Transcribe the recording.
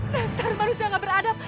nasar manusia gak beradab